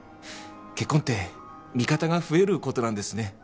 結婚って味方が増えることなんですね